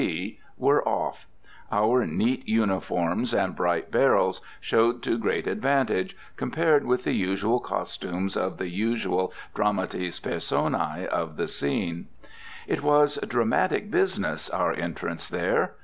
C., were off. Our neat uniforms and bright barrels showed to great advantage, compared with the usual costumes of the usual dramatis personae of the scene. It was dramatic business, our entrance there.